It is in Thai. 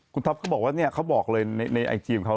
กูท็อปก็บอกว่าเนี่ยเขาบอกเลยในไอจีมเขา